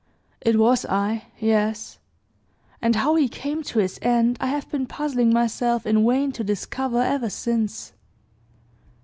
"It was I yes. And how he came to his end, I have been puzzling myself in vain to discover ever since."